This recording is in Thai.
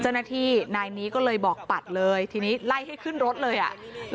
เจ้าหน้าที่นายนี้ก็เลยบอกปัดเลยทีนี้ไล่ให้ขึ้นรถเลยอ่ะ